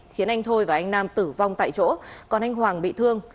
khiến anh thôi và anh nam tử vong tại chỗ còn anh hoàng bị thương